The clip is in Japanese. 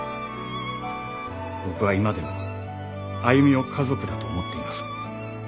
「僕は今でもあゆみを家族だと思っています」